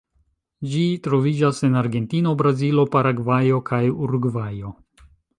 Ĝi troviĝas en Argentino, Brazilo, Paragvajo kaj Urugvajo.